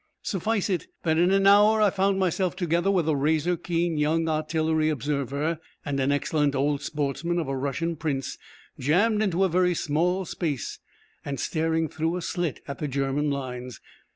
Suffice it, that in an hour I found myself, together with a razor keen young artillery observer and an excellent old sportsman of a Russian prince, jammed into a very small space, and staring through a slit at the German lines.